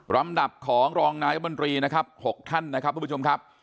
ลำดับของรองนายบนตรีนะครับ๖ท่านนะครับทุกผู้ชมครับ